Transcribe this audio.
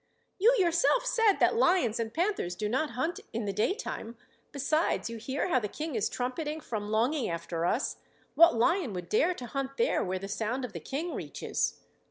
"You yourself said that lions and panthers do not hunt in the daytime. Besides, you hear how the King is trumpeting from longing after us. What lion would dare to hunt there where the sound of the King reaches?"